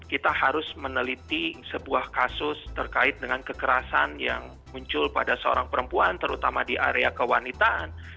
kita harus meneliti sebuah kasus terkait dengan kekerasan yang muncul pada seorang perempuan terutama di area kewanitaan